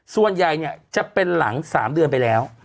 ส่วนใหญ่เนี่ยจะเป็นหลัง๓เดือนไปแล้ว